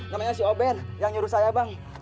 namanya si oben yang nyuruh saya bang